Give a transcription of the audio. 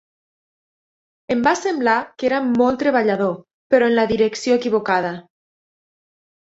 Em va semblar que era molt treballador, però en la direcció equivocada.